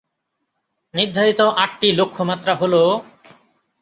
নির্ধারিত আটটি লক্ষ্যমাত্রা হলোঃ